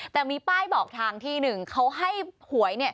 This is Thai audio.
แต่มีป้ายบอกทางที่หนึ่งเขาให้หวยเนี่ย